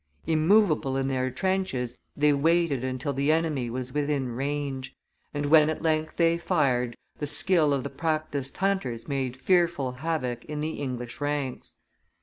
Immovable in their trenches, they waited until the enemy was within range; and, when at length they fired, the skill of the practised hunters made fearful havoc in the English ranks.